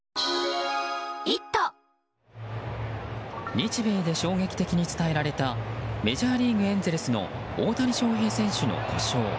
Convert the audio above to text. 日米で衝撃的に伝えられたメジャーリーグ、エンゼルスの大谷翔平選手の故障。